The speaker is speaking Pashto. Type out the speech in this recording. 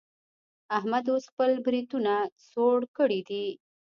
احمد اوس خپل برېتونه څوړ کړي دي.